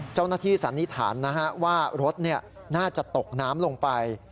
เจ้าหน้าที่สันนิษฐานว่ารถน่าจะตกน้ำลงไป